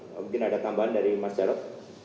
mungkin ada tambahan dari mas jarod